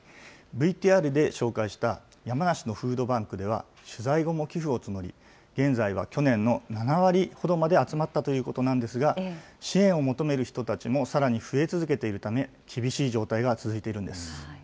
ＶＴＲで紹介した山梨のフードバンクでは、取材後も寄付を募り、現在は去年の７割ほどまで集まったということなんですが、支援を求める人たちもさらに増え続けているため、厳しい状態が続いているんです。